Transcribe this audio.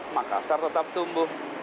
makassar tetap tumbuh